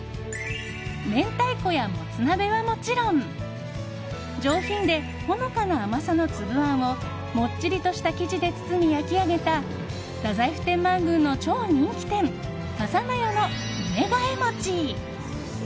明太子やもつ鍋はもちろん上品でほのかな甘さの粒あんをもっちりとした生地で包み焼き上げた太宰府天満宮の超人気店かさの家の梅ヶ枝餅。